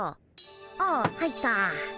ああ入った。